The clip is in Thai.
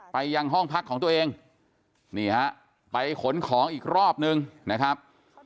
ไปยังห้องพักของตัวเองนี่ฮะไปขนของอีกรอบนึงนะครับ